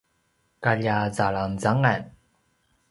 kalja zalangzangan